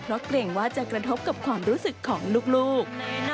เพราะเกรงว่าจะกระทบกับความรู้สึกของลูก